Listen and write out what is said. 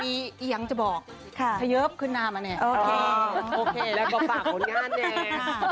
มีอย่างจะบอกพระเยอบคืนนามแหละเนี่ยโอเคแล้วก็ปากผลงานแบบ